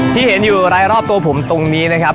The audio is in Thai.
ที่เห็นอยู่รายรอบตัวผมตรงนี้นะครับ